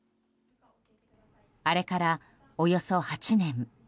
あれから、およそ８年。